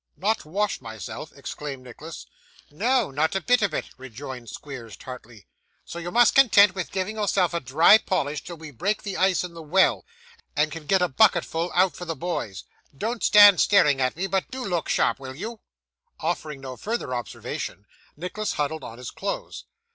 'Not wash myself!' exclaimed Nicholas. 'No, not a bit of it,' rejoined Squeers tartly. 'So you must be content with giving yourself a dry polish till we break the ice in the well, and can get a bucketful out for the boys. Don't stand staring at me, but do look sharp, will you?' Offering no further observation, Nicholas huddled on his clothes.